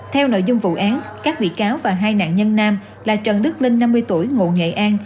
theo nội dung vụ án các bị cáo và hai nạn nhân nam là trần đức linh năm mươi tuổi ngụ nghệ an